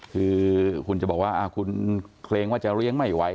คือคุณจะบอกว่าคุณเกรงว่าจะเลี้ยงไม่ไหว